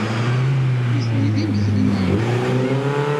Nitni d imegliyen.